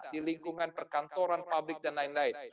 di lingkungan perkantoran pabrik dan lain lain